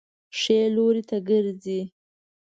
ښي لوري ته ګرځئ